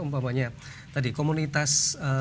umpamanya tadi komunitas